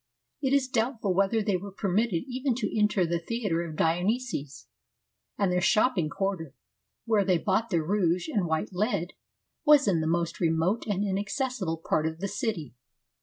It is doubtful whether they were permitted even to enter the theatre of Dionysus ; and their shopping quarter, where they bought their rouge and white lead, was in the most remote and inaccessible part of the city.